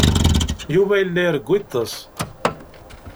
Yuba yella iṛewwu iḍes.